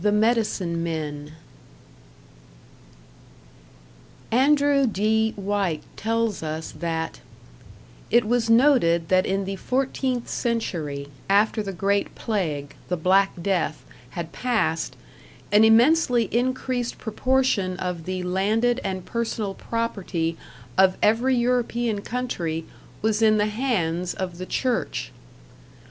#The Medicine men# Andrew D. White tells us that It was noted that in the 14th century, after the great plague, the Black Death, had passed, an immensely increased proportion of the landed and personal property of every European country was in the hands of the Church.